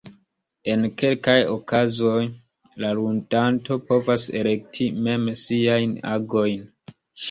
En kelkaj okazoj la ludanto povas elekti mem siajn agojn.